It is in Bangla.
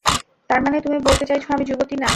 তারমানে তুমি বলতে চাইছো আমি যুবতী না?